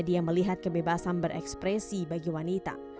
dia melihat kebebasan berekspresi bagi wanita